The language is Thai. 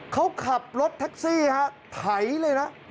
เขาขับรถแท็กซี่ฮะไถเลยนะ